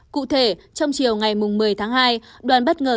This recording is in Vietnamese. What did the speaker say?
cụ thể trong chiều ngày một mươi tháng hai đoàn bất ngờ